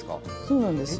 そうなんです。